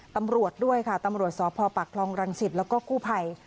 ตำรวจด้วยค่ะตำรวจสภพลองรังสิทธิ์และก็คู่ภัย